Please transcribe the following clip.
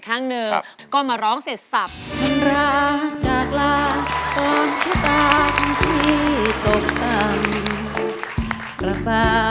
ครั้งหนึ่งก็มาร้องเสร็จสับ